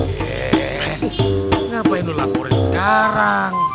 yee ngapain lu laporin sekarang